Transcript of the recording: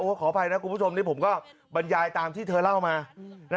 ขออภัยนะคุณผู้ชมนี่ผมก็บรรยายตามที่เธอเล่ามา